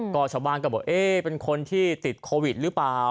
ก็ชาวบ้านก็บอกเอ๊ะเป็นคนที่ติดโควิดหรือเปล่า